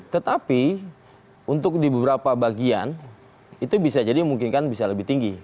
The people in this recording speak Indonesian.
tetapi untuk di beberapa bagian itu bisa jadi mungkin kan bisa lebih tinggi